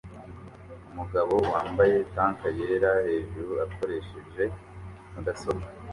Umugabo wambaye tank yera hejuru akoresheje mudasobwa